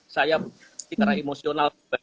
saya berpikiran emosional